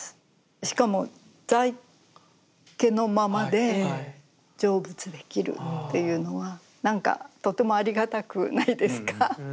しかも在家のままで成仏できるっていうのはなんかとてもありがたくないですか。